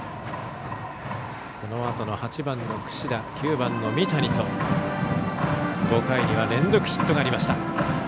このあとの８番の櫛田９番の三谷と５回に連続ヒットがあった。